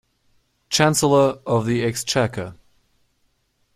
Chancellor of the Exchequer